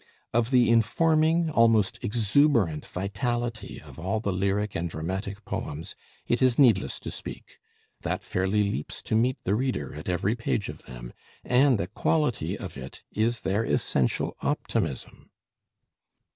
Of the informing, almost exuberant vitality of all the lyric and dramatic poems, it is needless to speak; that fairly leaps to meet the reader at every page of them, and a quality of it is their essential optimism.